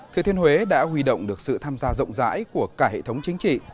thừa thiên huế đã huy động được sự tham gia rộng rãi của cả hệ thống chính trị